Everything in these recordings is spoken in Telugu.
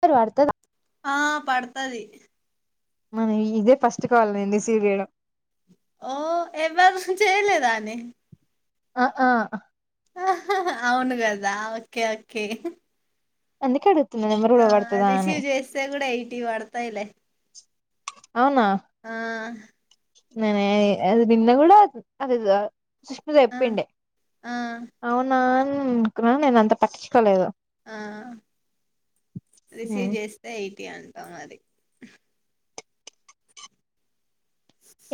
పడతదా ఆ పడుతది మనది ఇదే ఫస్ట్ కాల్ ఐయింది ఇస్సీవ్ చేయడం ఓ ఎవ్వరు చేయలేదానే అ ఆ హా హా హ అవును కదా ఓకే ఓకే అందుకే అడు ఆ రిసీవ్ చేస్తే కూడ ఎయిటి పడతయిలే ఆ ననే అది నిన్న కూడా అదే దో సుష్మిత ఆ చెప్పుండే ఆ అవునాన్ ఊ అనుకున్నా నేను అంత పట్టించుకోలేదు ఆ రీసీవ్ చేస్తే అయి ఎంత మరి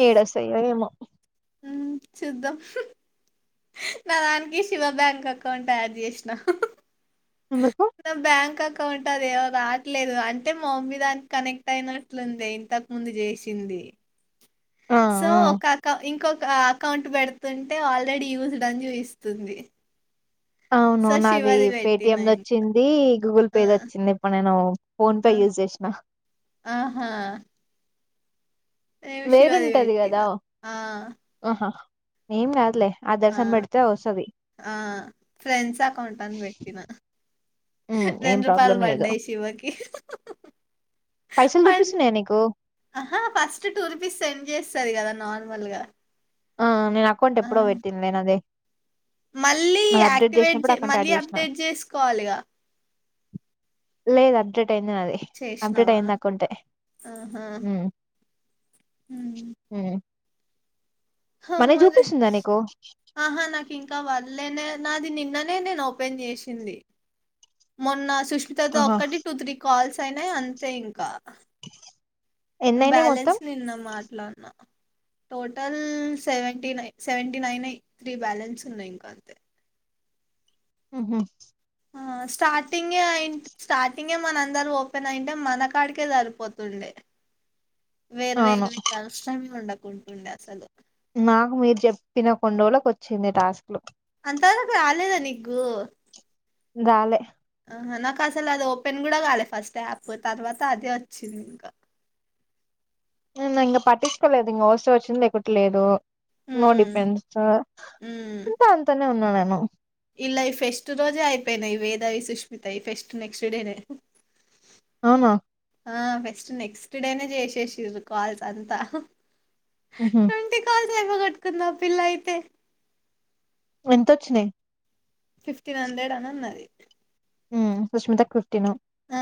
ఏడుస్తాయో ఏమో చూద్దాం హూ నా దానికి శివ బ్యాంక్ అకౌంట్ యాడ్ చేసిన ఎందుకు నా బ్యాంక్ అకౌ అ ఉంటది అ రాట్లేదు అంటే మా మమ్మీ దానికి కనెక్ట్ అయినట్లుంది ఇంతకు ముందు చేసింది ఆ సో ఆ ఒక అకౌ ఇంకొక అ అకౌంట్ పెడుతుంటే ఆల్రెడీ యూస్డ్ అని చూయిస్తుంది అవును నాది పేటిఎం ద ఇం వచ్చింది గూగుల్ ఆ పే ద వచ్చింది ఇప్పుడు నేను ఫోన్ పే ఆ యూస్ జేసిన ఆహా నేను శివది వేరుంటది కదా పెట్టినా ఆ ఆహా ఏం కాదులే ఆదర్శ్ ఆ అని పెడితే వస్తది ఆ ఫ్రెండ్స్ అకౌంట్ అని పెట్టినా ఉమ్ ఏం రెండు రూపాయలు ప్రాబ్లం లేదు పడ్డాయి శివకి హా హా హా పైసలు చూపిస్తున్నాయా నీకు ఆహా ఫస్ట్ టూ రూపీస్ సెండ్ చేస్తది కదా నార్మల్ గా ఆ నేన్ అకౌంట్ ఎప్పుడో పెట్టింద్ నేను అదె మళ్ళీ యాక్టివేట్ చే అకౌంట్ మళ్ళీ యాడ్ చేసిన అప్డేట్ చేసుకోవాలిగా లేదు అడ్జెట్ కట్ అయింది నాది అబ్డేట్ చేసినావా అయింది అకౌంటె ఆహా మ్ మ్ హమ్ అదే చూపిస్తుందా నీకు ఆహా నాకింకా వల్లే నే నాది నిన్ న్ననే నేను ఓపెన్ చేసింది మొన్న సుష్మితతో ఆహా ఒక్కటి టూ త్రీ కాల్స్ తాయినై అంతే ఇంకా ఎన్నయినాయి బ్యాలెన్స్ మొత్తం నిన్నమ అట్లాన్నా total seventy nine seventy నైన్యి three balance ఉన్నాయి ఇంకా అంతే ఉ హూ ఆ స్టార్టింగే అయి స్టార్టింగే మన అందరు ఓపెన్ ఆయుంటే మన కాడికే సరిపోతుండే వేర్లు అవును వేర్లువి కలిసేం ఉండవు కోన్కుండె అసలు నాకు మీరు చెప్పిన కోన్రోజులకు వచ్చింది టాస్క్ లు అంత వరకు రాలేదా నీకు గాలే ఆహా నాకు అసలు అది ఓపెన్ కూడా కాలే ఫస్ట్ యాప్ తర్వాత అదే వచ్చింది ఇంకా న ఇంకా పట్టిుచుకోలేదు ఇంక వోస్త ఒచ్చింది లేకపోతే లేదు నో ఉమ్ డిపెన్సా అ ఉమ్ ఎంత అంతనే ఉన్నాన ను ఇలా ఈ ఫెస్ట్ రోజే అయిపోయినాయి వేదవి సుష్మితవి ఫెస్ట్ నెక్స్ట్ డేనే అవునా ఆ ఫస్ట్ నెక్స్ట్ డేనే చేసేసిరు కాల్స్ అంతా ఉహు వ కట్కన్నా పిలాయితే ఎంతొచ్చినయి ఫిఫ్టీన్ హండ్రెడ్ అని అన్నది ఉమ్ సుష్మితకు టి ఆ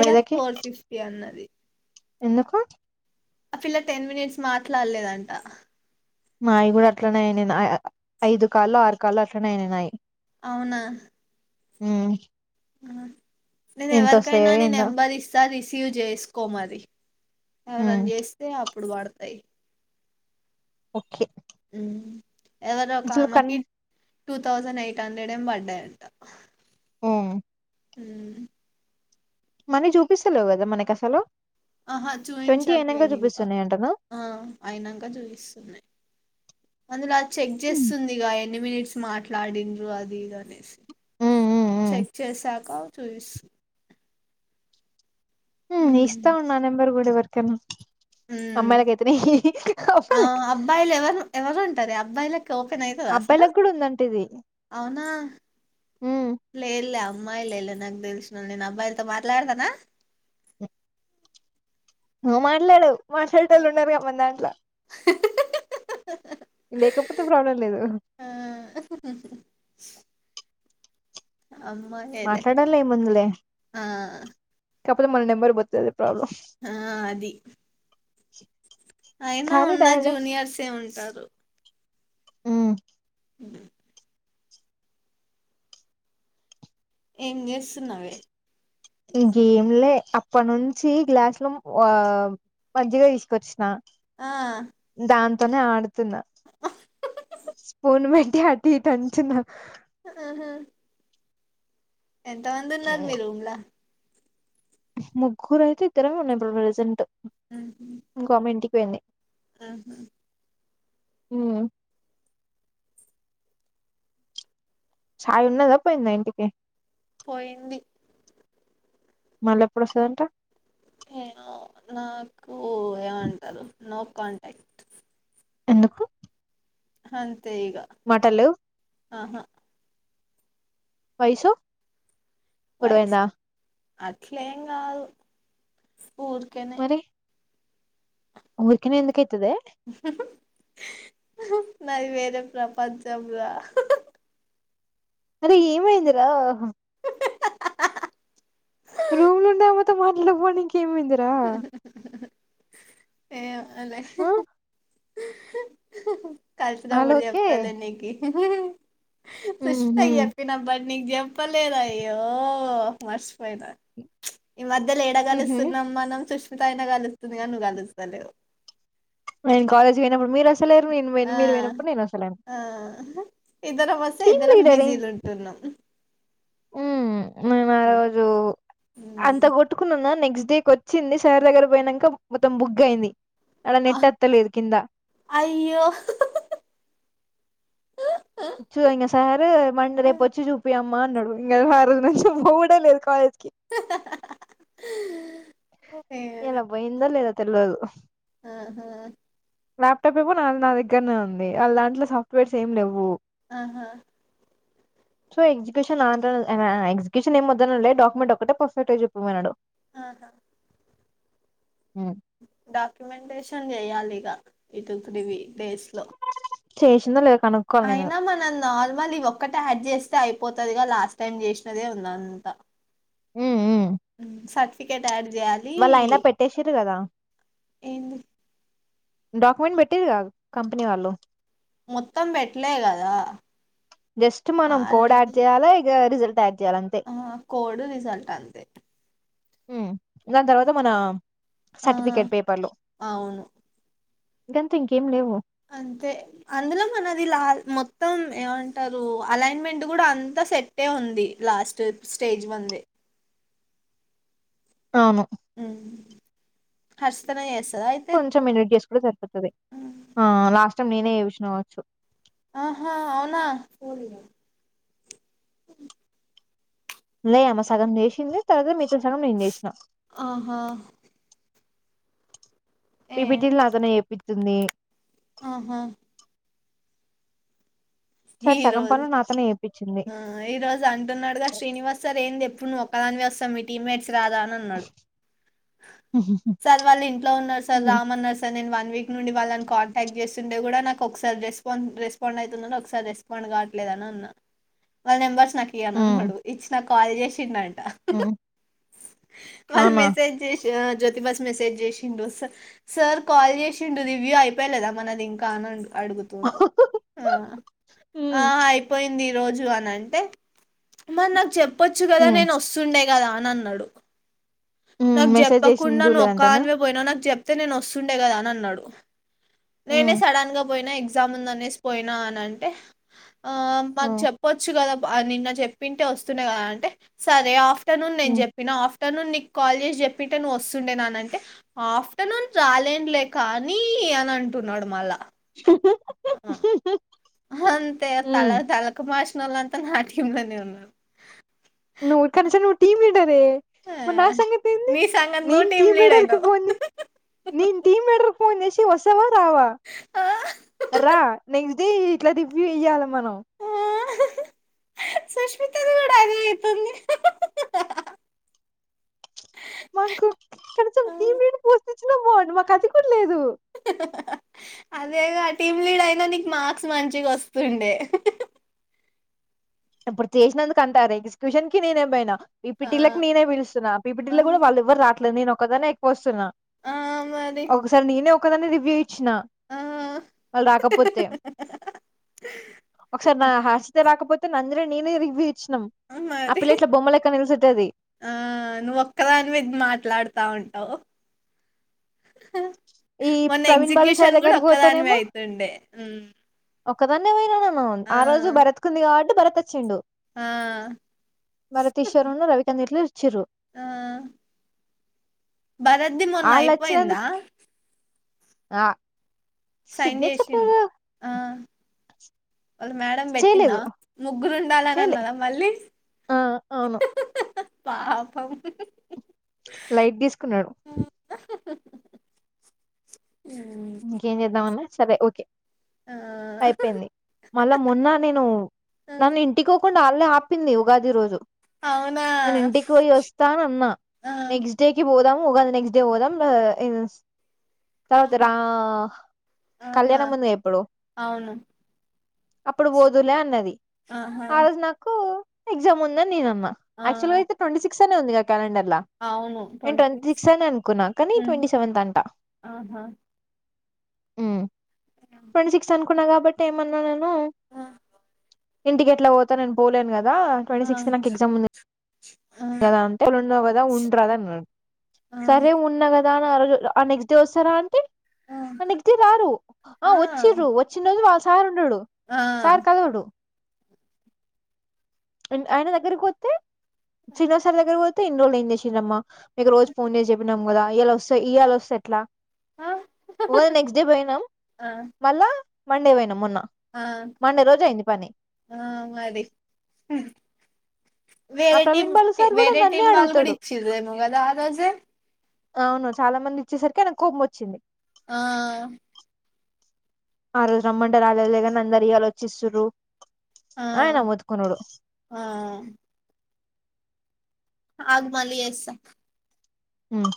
వేద కి ఫోర్ ఫిఫ్టీ అన్నది ఎందుకు ఆ ఫిల్లా టెన్ మినిట్స్ మాట్లాడలేదంట మాయి కూడా అట్లనే అయిన ఐదు కాల్లో ఆరు కాల్లో అట్లనే అయిననాయి అవునా హ అ నేను ఎవరికైనా నీ ఏందో నెంబర్ ఇస్తారు ఇస్త సజేస్కోమారి హ్మ్ ఎవరైనా చేస్తే ఇప్పుడు వాడతాయి ఓకే అ ఎవరు ఒక కా అసలు కన్ మాకి టూ థౌసండ్ ఎయిట్ హండ్రెడ్ ఏం పడాయి అంట ఆ అ మనీ చూపిస్తలేవు కదా మనకి అసలు ఆహా ట్వంటీ అయినంక చూయిించట్లేదు ఇంకా చూపిస్తున్నాయి అంటనా ఆ అయినాక చూయిస్తున్నాయి అందు చెక్ హ్మ్ చేస్తుంది గాయ న్ని మినిట్స్ మాట్లాడింద్రు అది ఇ అనేసి హ్మ్ హ్మ్ హ్మ్ చెక్ చేసాక చూపిస్తు హ ఇస్తావుం న ఎంబరు గు కూడాడి వర్ కనా అమ్మాలక అతేనే అమ్మ అబ్బాయి ఓపెన్ అయితడా అసలు ఉందంట ఇది అవునా హ్మ్ లే లేవు అమ్మాయిల ఇ నగ్దే దస నేను అబ్బాయిలుతో మాట్లాడతానా నువ్ మాట్లాడవు మాట్లాడట వాళ్ళు ఉన్నారు కా మన దాంట్లో హహ హా హా హా లేకపోతే ప్రాబ్లం లేదు [inaudible] అమ్మహే లే మాట్లాడాలి ఆ కాప్పుడు మన నెబర్ బతలే ఆ అది [inaudible] అయినా కారే ఉన్న జూనియర్సే ఉంటారు ఉమ్ ఉహుమ్ ఏం చేస్తున్నావే ఎమ్ లే అప్పటి నుంచి గ్లాసులు ఆ మజ్జిగా తీసుకొచ్చిన ఆ నే అడుతు తునా స్పూన్ పి అది టీ టెన్షన్ ఆహా ఎంత మంది ఉన్నారు మీ రూమ్లా ముగ్గురు అయితే ఇద్దరమే ఉన్నాము ప్రెజెంట్ ఉమ్ హు వెని అహుం ఉమ్ ఛాయ ఉన్నద పోయిందా ఇంటికి పోయింది మళ్ళీ ఎప్పుడు వస్తాడంటా ఏమో నాకు ఓ ఏమంటారు న కాంటాక్ట్ ఎందుకు హ తెయగా మాటలు ఆహా వైసో వాయిస్ గొడవైందా అట్లేం కాదు ఊరకనే ఉరకనే ఎంధుక్ ఉహు హు హు నాది వేరు వెరే ప్రపంచంలా అరే ఏమైందిరా రూమ్లోఉండే ఆమెతో మాట్లే పోనికి ఏమైందిరా ఏ ఏల్ హు ఆ హు హ ఆల్ కలిసినప్పుడు ఓకే చెప్తాలే నీకి [unintelligible] ఉహు సుస్తాయప్పి నా బ నీకు చెప్పలేదు అయ్యో మర్చిపోయినా ఈ మధ్యలో ఏడకలుస్తు మనం సుష్మిత అయినా కలుస్తుందిగానీ నువ్వు కలుస్తలేవు నేను కాలేజ్ పోయినప్పుడు మీరు వస్ ఆ ఆ ఇద్దరు వస్త టీమ్ ఇద్దరం బిజీలు ఉంటున్నాం హ్మ్ మేము ఆ రోజు అంత కొట్టుకునున్న నెక్స్ట్ డేక్ వచ్చిందిషర్ దగ్గర పోయానాక మొత్తం బుక్ అయింది అలా నెట్టతులురుకందా అయ్యో అమ్ అన్నాడు ఇంకా హారజ నుం పో కూడా లేదు కాలేజ్ క ఓే ద తెలిదు ఆహా ల్యాప్టాప్ ఏవో నా నా దగ్గరనే ఉంది అ లాంటిలో సాఫ్ట్వేర్స్ ఏమి లేవు ఆహా సో ఎగ్క్యూషన్ ఎగ్జిక్యూషన్ ఏం వద్ద డాక్యుమెంట్ ఒకటే పర్ఫెక్ట్ చెప్పమన్నాడు ఆహా డాక్యుమెంటేషన్ చెయాలి ఇక ఇతేప్పుడవి బేస్లో శేషందలే అయినా మనం నార్మల్ ఒక్కట యాడ్ చేస్తే అయిపోత దిగా లాస్ట్ టైం చేసినదే ఉంది అంత ఉమ్ ఉమ్ సత్ తయరు చేయాలి వాళ్ళు అయినా పెట్టేసిర్రు కదా ఏంటి డాక్యుమెంట్ పెట్టరు గా కంపెనీ వాళ్ళు మొత్తం పెట్లే కదా జస్ట్ ఆ మనం కోడ్ ఆయాడ్ లేదు చేయాలా ఇక రిజల్ ఆ కోడు రిజల్ట్ అంతే దాన్ తర్వాత మన. ఆ సర్టిఫికెట్ పేపర్లు. అవును గంతే ఇంకేం లేవు. అంతే అందులో మనది లా మొత్తం ఏమంటారు అలైన్మెంట్ కూడా అంతా సెట్ ఏ ఉంది లాస్ట్ స్టేజ్ వంది. అవును. హర్షితన చేస్త కొంచెం ఎడిట్ చేసుకుంటే సరిపోతది. మొత్తం నేనే ఎవిసిన కావచ్చు. ఆహా అవునా. లే ఆమె సగం చేసింది తర్వాత మిగతా ది సగం ఏం నేను చేసినా. ఆహా ఏ ఏపీటిల్ నాతోనే చేపిచ్ తంది. ఆహా. సరే సగం ఈరోజు పనులు నాతోనే చేపిచ్చింది ఈరోజు శ్రీనివాస్ సార్ అంటున్నాడు కదా ఏంది ఇప్పుడు నువ్వు ఒక్ ఒక్కదానివే వస్తావ్ మీటిమేట్స్. శ్రాద అని అన్నాడు సార్ వాళ్ళు ఇంట్లో ఉన్నారు సార్ ఉమ్ రామన్నారు సార్ నేను వాల్. వన్ వీక్ నుండి వాళ్ళని కాంటాక్ట్ చేస్తుండే కూడా నాకు ఒక్కసారి రెస్పాన్స్ రెస్పాండ్ అయితున్నారు ఒకసారి. సార్ రెస్పాండ్ కావట్లేదని అన్న వాళ్ళ నెంబర్స్. నాకు ఇయ్యని ఉమ్ అన్నాడు ఇచ్చినాక. కాల్ చేసిండంట. ఉమ్. వాళ్లు అవునా మెసేజ్ జేసి ఇవాన జ్యోతి బస్ మెసేజ్ చేసిండు అసలు సర్ కాల్ చేసిండు దివ్య అయిపోలేదా ఇంకా మనది అంటున్నాడు. అడుగుతుండు. ఆ ఉమ్ అయిపోయింది. రోజు అని అంటే మరి నాకు చెప్ చెప్పొచ్చు కదా ఉమ్ నేను వస్తుండే కదా అని అన్నాడు. ఉమ్ నాకు మెసేజ్ చేసింది చెప్పకుండా నువ్వు చూడలేదంటనా ఒక్కదానివే పోయినవ్ నాకు జెప్ అయితే నేను వస్తుండే కదా అన్నాడు. నేనే ఉమ్ సడన్గా బో పోయిన ఎగ్జామ్ ఉందనేసి పోయినా అని అంట్ టే ఆమెకు ఉమ్ చెప్పొచ్చు కదా బా నిన్న చెప్పి ఉంటే వస్తుండే కదా అంటే సరే ఆఫ్ట ఫ్టర్నూన్ నేను ఉమ్ చెప్పిన. ఆఫ్ ఆఫ్టర్నూన్ నీకు కాల్ చేసి చెప్పింటే నువ్వు వస్తుండేన అన అంటే ఆఫ్టర్నూన్ రాలేంలే కానీ అని అంటున్నాడు మళ్ళా ఆ, అంతే తల హ్మ్ తలకం మాష్నోలంతా నా టీం లోనే ఉన్నారు నువ్వు తనూజ నువ్వు టీం లీడ్ సరే ఆ, మరి నా సంగతి ఏంది నీ సంగతి నువ్వు నేను టీం లీడ్ లీడర్ కి అయినావు ఫోన్ నేను టీం లీడర్ ఫోన్ చేసి వస్తావా రావా ఆ, రా నెక్స్ట్ డే ఇట్లా రివ్యూ ఇయ్యాల మనం ఆ, సుష్మితది కూడా అదే అయితుంది మాకు కొంచెం టీం లీడర్ పోస్ట్ ఇచ్చిన బావుండు మాకు అది కూడా లేదు అదే గా టీమ్ లీడ్ అయినా నీకు మార్క్స్ మంచిగా వస్తుండే ఇప్పుడు చేసినందుకు అంటారై ఎగ్జిక్యూషన్ కి నేనే పోయినా ఆ, బీటిలకు నేనే పిలుస్తున్నా బీపిటిల ఆ. కూడా వాళ్ళేవ్వరు రావట్లే నేనో క్ ఒక్కదాన్నే ఎక్కువ వస్తున్నా ఆ మరి ఒక సారీ నీనే ఒక్కదావ్వి వచ్చిన ఆ వాళ్ళు రాకపోతే ఒకసారి నా హస్తే రాకపోతే నంద్రే నేనే రివ్వి మరి నిలిసేటది ఆ నువ్వు ఒక్కదావి మీ మాట్లాడుతా ఉంట ఈ మొన్న ప్రవీణ్ బాలు సార్ ఎగ్జిక్యూషన్ కూడా దగ్గరకి ఒక్కదానివే అయితుండే హ్మ్ ఒక్కదన్నే పోయిరానా ఆ రోజు భరత్ కి ఉంది కాబట్టి భరత్ వచ్చిండు ఆ మరి తీశోర్ న్ను రవికంత్ ఎట్ల రా ఆ భరద్ది మొన్న వాళ్ళు అయిపోయిందా వచ్చినందుకు ఆ సైన్ సిగ్నేచర్ చేసిన్ ఆ ఒక మేడం పెట్టిందా చేయలేదు ముగ్గురు ఉండాలని చేయలే అన్నదా మళ్ళీ ఆ అవును పాపం లైట్ తీసుకున్నాడు ఉమ్. ఇంకేం చేద్దాంన్న సరే ఓకే ఆ అయిపోయింది మళ్ళా మొన్న నేను ఆ. నన్ను ఇంటికి కుండా ఆన్నే ఆపింది ఉగాది రోజు అవునా నిను ఇంటికి పోయి వస్తా ఉన్నా ఆ నెక్స్ట్ డేకి పోదాం ఉగాది నెక్స్ట్ డే పోదాం ఆ ఇనొస్ తత్ రా ఆహా ఆహా కళ్యాణం ఉంది ఇప్పుడు అవును అప్పుడు పోదువులే అన్నది ఆహా ఆ రోజు నాకు ఎగ్జామ్ ఉందని నేనన్న ఆ యాక్టుల్ గ అయితే ట్వంటీ సిక్స్ వస్తా నే ఉంది గ క్యాలెండర్లా అవును నేను ట్వంటీ ట్వంట్వీ సిక్స్ అని అనుకున్నా కానీ హ్మ్ ట్వంటీ సెవెంత్ అంటా ఆహా ఉ ట్వంటీ సిక్స్ అనుకు ఉన్నా కాబట్టి ఏమన్నా నేను ఆ ఇంటికి ఎట్లా పోత నేను పోలేను గా ఈగ ట్వంటీ ఆ సిక్స్త్ నాకు ఎగ్జామ్ ఉంది ఆ ఆ వాళ్ళు అంత ఉండరు కదా ఉండరాదు ఆ ఆమె దానా [unintelligible] ఆ నెక్స్ట్ డే వస్తారా అంటి ఆ అ నెక్ట్ డే రాడు ఆ వచ్చిరు వచ్చిన వాసు హెల్ప్ ఉనడు ఆ సార్ కలవడు ఆయన దగ్గరకి వత్తే శీన సార్ దగ్గరికి పో ఇన్ని రోజులు ఏం చేసిండ్రమ్మ మీకు రోజు ఫోన్ చేసి చెప్పినాం కదా ఇయ్యాల వస్తా ఇయ్యాల వస్తే ఎట్లా ఆ ఆ ఉగాది నెక్ట్ డే పోయినం మల్ల మండే పోయినం మొన్న ఆ మండే రోజు అయింది పని ఆ మది ఆ ఆ వేరే టీం ప్రవీణ్ బాలు సార్ కూడా వేరే నన్నే టిం వాళ్ళు కూడా అడుగుతాడు ఇచ్చిరేమో కదా ఆ రోజు అవును చాలా మంది ఇచ్చేసరికి ఆయకు కోపం వచ్చిది ఆ ఆ ఆ రోజు రమ్మంటే రాలేదు కానీ అందరు ఇయాల వచ్చిస్తుండ్రు ఆ అయినా మొత్తుకున్నాడు ఆ ఆగు మళ్లీ చెస్త హ్మ్